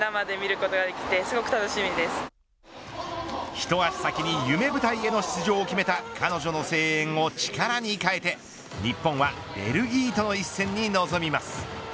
ひと足先に夢舞台への出場を決めた彼女の声援を力に変えて、日本はベルギーとの一戦に臨みます。